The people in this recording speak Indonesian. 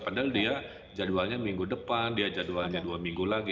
padahal dia jadwalnya minggu depan dia jadwalnya dua minggu lagi